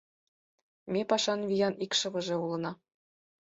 Ме пашан виян икшывыже улына.